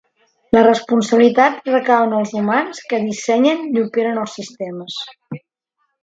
La responsabilitat recau en els humans que dissenyen i operen els sistemes.